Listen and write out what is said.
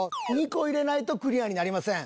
２個入れないとクリアになりません。